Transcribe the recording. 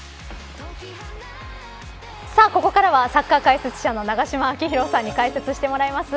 さあ、ここからはサッカー解説者の永島昭浩さんに解説してもらいます。